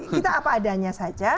kita apa adanya saja